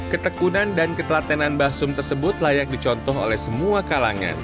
ketekunan dan ketelatenan mbah sum tersebut layak dicontoh oleh semua kalangan